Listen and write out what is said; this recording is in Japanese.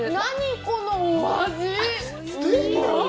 このお味！！